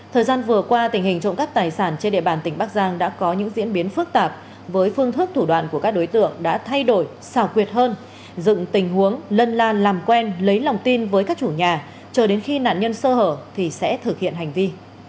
thời gian vừa qua tình hình trộm cắp tài sản trên địa bàn tỉnh bắc giang đã có những diễn biến phức tạp với phương thức thủ đoạn của các đối tượng đã thay đổi xảo quyệt hơn dựng tình huống lân la làm quen lấy lòng tin với các chủ nhà chờ đến khi nạn nhân sơ hở thì sẽ thực hiện hành vi